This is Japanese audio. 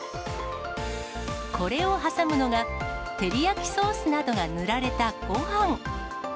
これを挟むのが、照り焼きソースなどが塗られたごはん。